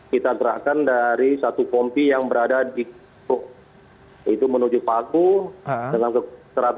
kita gerakan dari satu kompi yang berada di itu menuju paku dengan seratus orang